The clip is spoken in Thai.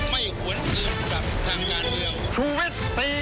ไม่หวนเกินกับทางด้านเดียว